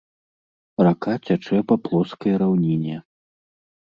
Рака цячэ па плоскай раўніне.